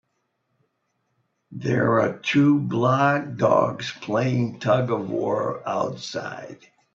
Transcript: There are two blog dogs playing tugofwar outside.